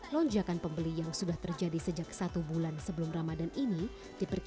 lonjakan pembeli yang sudah terjadi sejak satu bulan sebelum ramadan ini